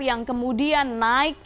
yang kemudian naik